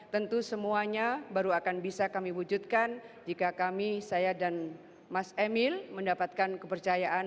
tentu semuanya baru akan bisa kami wujudkan jika kami saya dan mas emil mendapatkan kepercayaan